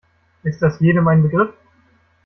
Ist das jedem ein Begriff?